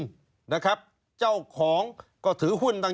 ชีวิตกระมวลวิสิทธิ์สุภาณฑ์